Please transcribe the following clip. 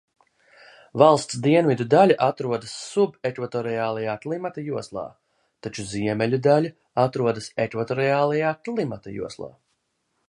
Valsts dienvidu daļa atrodas subekvatoriālajā klimata joslā, taču ziemeļu daļa atrodas ekvatoriālajā klimata joslā.